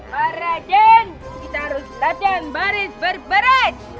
para geng kita harus latihan baris berberet